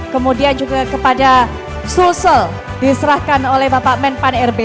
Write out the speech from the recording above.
kemudian juga kepada sulsel diserahkan oleh bapak men pan r b